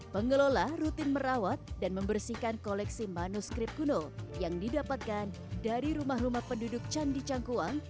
pengelola rutin merawat dan membersihkan koleksi manuskrip kuno yang didapatkan dari rumah rumah penduduk candi cangkuang